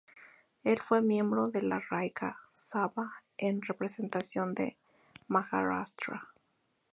Él fue miembro de la Rajya Sabha en representación de Maharashtra.